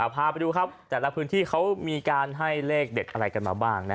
พาไปดูครับแต่ละพื้นที่เขามีการให้เลขเด็ดอะไรกันมาบ้าง